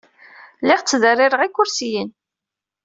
Lliɣ ttderrireɣ ikersiyen.